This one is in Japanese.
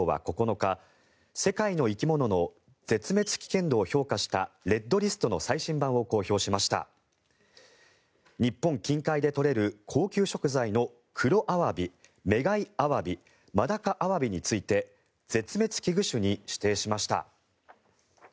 日本近海で取れる高級食材のクロアワビ、メガイアワビマダカアワビについて絶滅危惧種に指定しました。